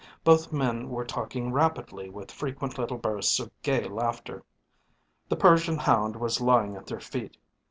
Both men were talking rapidly with frequent little bursts of gay laughter. The Persian hound was lying at their feet.